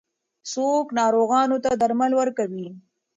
څوک ناروغانو ته درمل ورکوي؟